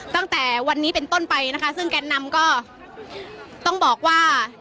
ตั้งแต่วันนี้เป็นต้นไปนะคะซึ่งแกนนำก็ต้องบอกว่า